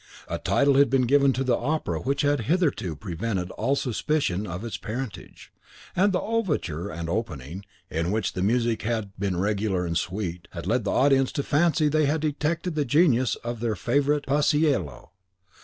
A title had been given to the opera which had hitherto prevented all suspicion of its parentage; and the overture and opening, in which the music had been regular and sweet, had led the audience to fancy they detected the genius of their favourite Paisiello.